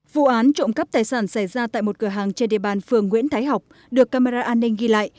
vụ án trộm cắp tài sản xảy ra tại một cửa hàng trên địa bàn phường nguyễn thái học được camera an ninh ghi lại